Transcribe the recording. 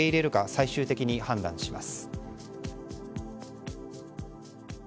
最終的に判断します。